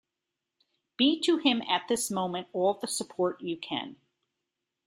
Be to him at this moment all the support you can.